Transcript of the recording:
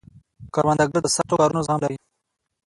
کروندګر د سختو کارونو زغم لري